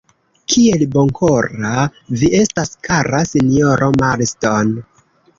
Kiel bonkora vi estas, kara sinjoro Marston!